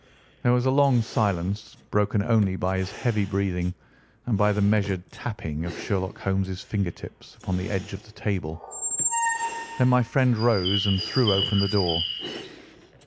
There was a long silence, broken only by his heavy breathing and by the measured tapping of Sherlock Holmes' finger tips upon the edge of the table. Then my friend rose and threw open the door.